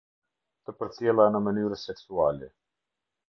Të përcjella në mënyrë seksuale.